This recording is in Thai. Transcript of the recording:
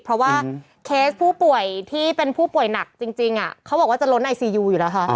เพราะว่าเคสผู้ป่วยที่เป็นผู้ป่วยหนักจริงเขาบอกว่าจะล้นไอซียูอยู่แล้วค่ะ